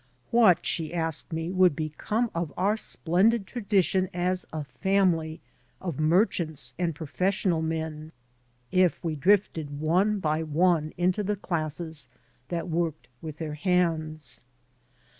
What, she asked me, would 188 AN AMERICAN IN THE MAKING become of our splendid tradition as a family of merchants and professional men if we drifted one by one into the classes that worked with their hands?